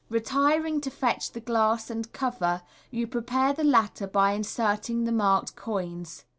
Retiring to fetch the glass and cover, you prepare the latter by inserting the marked coins.